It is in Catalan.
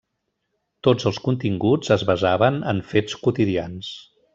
Tots els continguts es basaven en fets quotidians.